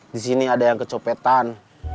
di sini ada yang kecopetan